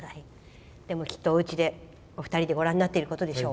でも、きっとおうちでお二人でご覧になっていることでしょう。